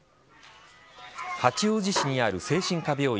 八王子市にある精神科病院